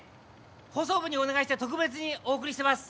放送部にお願いして特別にお送りしてます